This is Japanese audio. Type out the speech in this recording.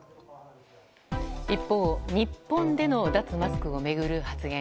一方、日本での脱マスクを巡る発言。